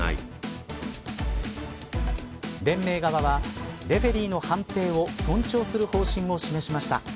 連盟側はレフェリーの判定を尊重する判定を示しました。